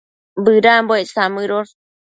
Bëdambuec samëdosh